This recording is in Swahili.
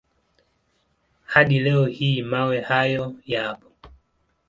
Hadi leo hii mawe hayo yapo.